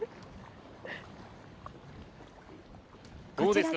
どうですか？